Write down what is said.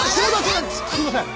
すいません。